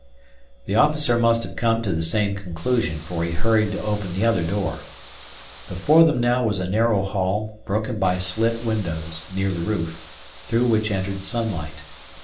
The officer must have come to the same conclusion, for he hurried to open the other door. Before them now was a narrow hall broken by slit windows, near the roof, through which entered sunlight.